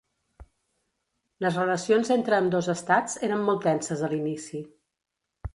Les relacions entre ambdós estats eren molt tenses a l'inici.